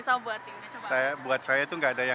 masa bu ati buat saya itu nggak ada yang